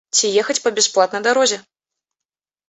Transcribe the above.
Ці ехаць па бясплатнай дарозе.